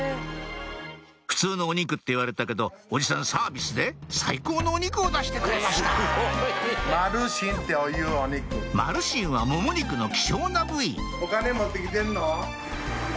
普通のお肉って言われたけどおじさんサービスで最高のお肉を出してくれましたマルシンはもも肉の希少な部位おっ！